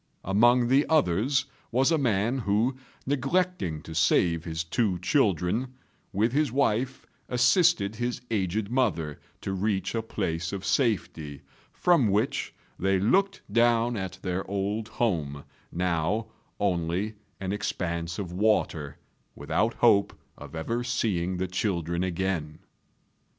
Among the others was a man who, neglecting to save his two children, with his wife assisted his aged mother to reach a place of safety, from which they looked down at their old home, now only an expanse of water, without hope of ever seeing the children again.